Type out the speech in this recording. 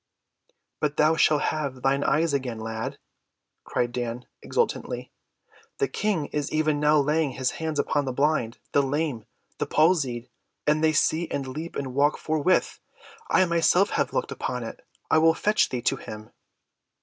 "But thou shalt have thine eyes again, lad," cried Dan exultantly. "The King is even now laying his hands upon the blind, the lame, and palsied, and they see and leap and walk forthwith. I myself have looked upon it. I will fetch thee to him."